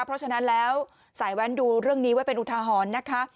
เพราะฉะนั้นแล้วสายแว้นดูเรื่องนี้ไว้เป็นอุทาหรณ์นะคะ